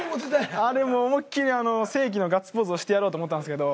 あれもう思いっ切り世紀のガッツポーズをしてやろうと思ったんですけど。